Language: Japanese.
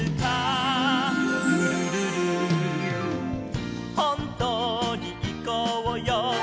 「ルルルル」「ほんとにいこうよ」